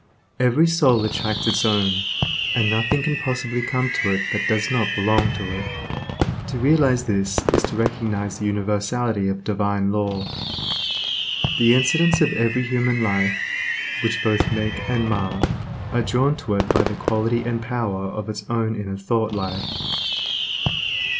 Every soul attracts its own, and nothing can possibly come to it that does not belong to it. To realize this is to recognize the universality of Divine Law. The incidents of every human life, which both make and mar, are drawn to it by the quality and power of its own inner thought life.